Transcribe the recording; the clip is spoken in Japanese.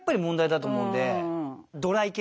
ドライ系？